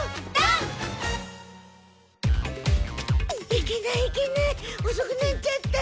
いけないいけないおそくなっちゃった。